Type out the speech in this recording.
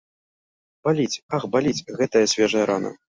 Баліць, ах, баліць гэтая свежая рана.